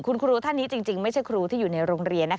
คุณครูท่านนี้จริงไม่ใช่ครูที่อยู่ในโรงเรียน